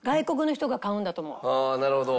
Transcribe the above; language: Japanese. ああなるほど。